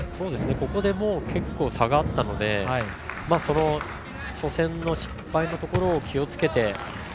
ここで結構差があったので初戦の失敗のところを気をつけて。